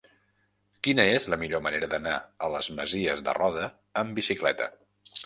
Quina és la millor manera d'anar a les Masies de Roda amb bicicleta?